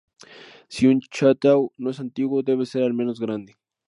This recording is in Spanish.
Si un "château" no es antiguo, debe ser al menos grande.